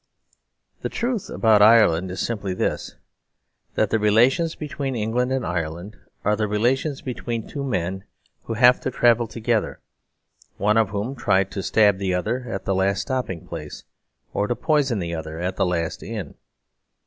The truth about Ireland is simply this: that the relations between England and Ireland are the relations between two men who have to travel together, one of whom tried to stab the other at the last stopping place or to poison the other at the last inn.